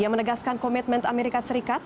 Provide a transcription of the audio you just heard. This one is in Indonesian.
yang menegaskan komitmen amerika serikat